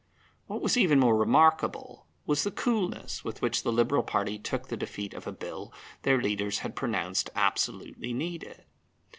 What was even more remarkable, was the coolness with which the Liberal party took the defeat of a Bill their leaders had pronounced absolutely needed.